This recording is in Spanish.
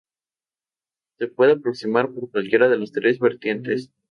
Se puede aproximar por cualquiera de las tres vertientes.